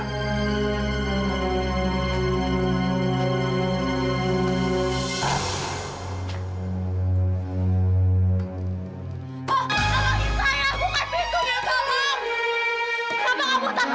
buka pintunya sekarang